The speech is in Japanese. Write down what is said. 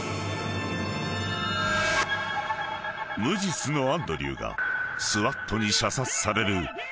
［無実のアンドリューがＳＷＡＴに射殺される